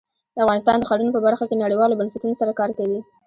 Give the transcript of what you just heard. افغانستان د ښارونه په برخه کې نړیوالو بنسټونو سره کار کوي.